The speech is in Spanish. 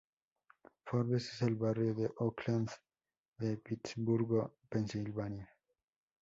Forbes, en el barrio de Oakland de Pittsburgh, Pensilvania.